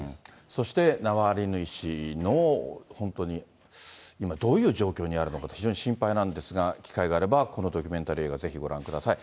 そしてナワリヌイ氏の本当に、今、どういう状況にあるのかと、非常に心配なんですが、機会があれば、このドキュメンタリー映画、ぜひご覧ください。